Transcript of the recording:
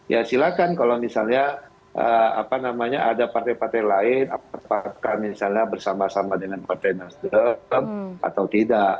ya silakan kalau misalnya ada partai partai lain apakah misalnya bersama sama dengan partai nasdem atau tidak